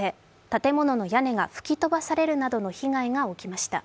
建物の屋根が吹き飛ばされるなどの被害が起きました。